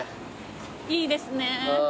いいですね。